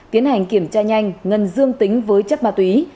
tiến hành kiểm tra nhanh ngân dương tính với chất ma túy